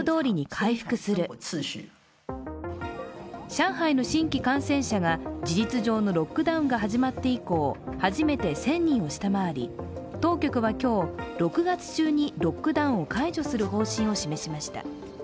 上海の新規感染者が事実上のロックダウンが始まって以降、初めて１０００人を下回り当局は今日、６月中にロックダウンを解除する方針を示しました。